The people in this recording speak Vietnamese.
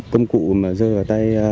công cụ mà rơi vào tay